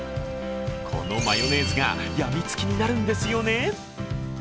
このマヨネーズがやみつきになるんですよね？